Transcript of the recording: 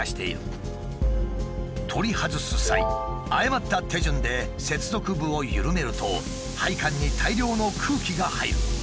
取り外す際誤った手順で接続部を緩めると配管に大量の空気が入る。